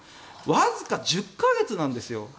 わずか１０か月なんですよ。